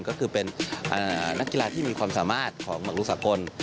ก็คือเป็นนักกีฬาที่มีความสามารถของมักรุสากล